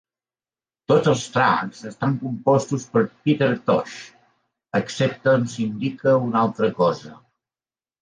Tots els tracks estan compostos per Peter Tosh excepte on s'indica una altra cosa.